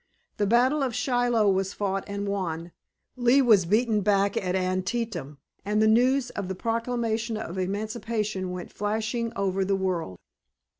The battle of Shiloh was fought and won, Lee was beaten back at Antietam, and the news of the proclamation of emancipation went flashing over the world.